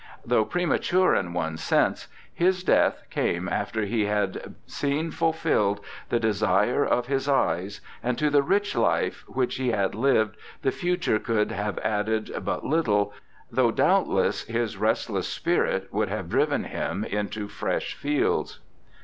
Though premature in one sense, his death came after 230 BIOGRAPHICAL ESSAYS he had seen fulfilled the desire of his eyes, and to the rich life which he had lived the future could have added but little, though doubtless his restless spirit would have driven him into fresh fields.